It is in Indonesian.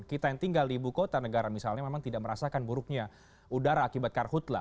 kita yang tinggal di ibu kota negara misalnya memang tidak merasakan buruknya udara akibat karhutlah